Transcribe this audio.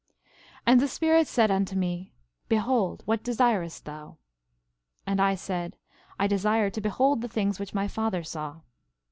11:2 And the Spirit said unto me: Behold, what desirest thou? 11:3 And I said: I desire to behold the things which my father saw.